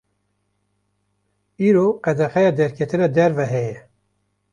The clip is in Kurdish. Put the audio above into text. îro qedexeya derketina derve heye